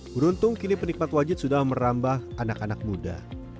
beruntung kini penikmat wajit sudah merambah anak anak muda